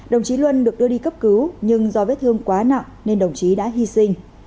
đồng chí luân được đưa đi cấp cứu nhưng do vết thương quá nặng nên đồng chí đã hy sinh